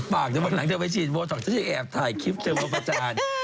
หลังจากเธอไม่ชินโวท็อกจะอย่าแอบถ่ายคลิปเธอบ้างประจาญ